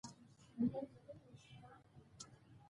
د افغانستان طبیعت له هلمند سیند څخه هم جوړ شوی دی.